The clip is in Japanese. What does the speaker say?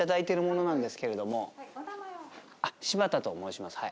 柴田と申します。